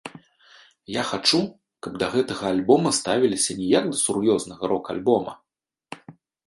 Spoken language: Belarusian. Я хачу, каб да гэтага альбома ставіліся не як да сур'ёзнага рок-альбома.